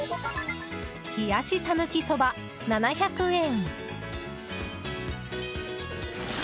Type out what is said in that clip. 冷したぬきそば、７００円。